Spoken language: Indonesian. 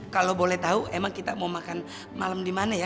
kalau boleh tahu emang kita mau makan malam di mana ya